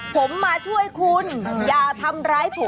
ผมมาช่วยคุณอย่าทำร้ายผม